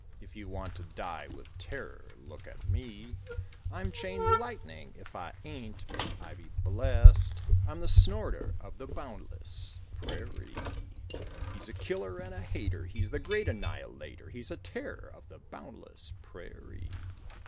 If you want to die with terror, look at me. I'm chain lightning if I ain't, may I be blessed. I'm the snorter of the boundless prairie. He's a killer and a hater! He's the great annihilator! He's a terror of the boundless prairie.